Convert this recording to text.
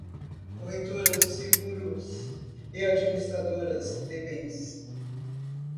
Corretora de Seguros e Administradora de Bens